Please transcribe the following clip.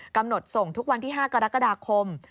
กำหนดส่งทุกวันที่๕กรกฎาคม